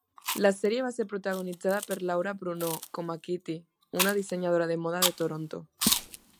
La sèrie va ser protagonitzada per Laura Bruneau com a Kitty, una dissenyadora de moda de Toronto.